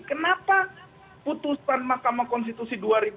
kenapa putusan makam konstitusi dua ribu enam